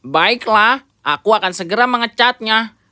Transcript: baiklah aku akan segera mengecatnya